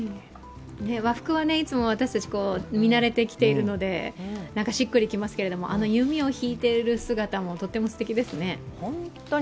和服はいつも私たち見慣れてるのでしっくりきますけれども、あの弓を引いている姿もとってもすてきですね。